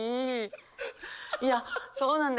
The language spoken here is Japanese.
いやそうなんだ。